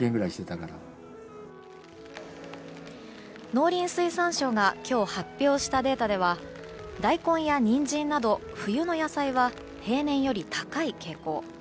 農林水産省が今日、発表したデータではダイコンやニンジンなど冬の野菜は平年より高い傾向。